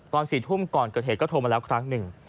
๔ทุ่มก่อนเกิดเหตุก็โทรมาแล้วครั้งหนึ่ง